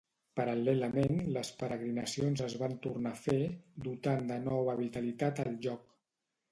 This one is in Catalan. Paral·lelament les peregrinacions es van tornar a fer dotant de nova vitalitat el lloc.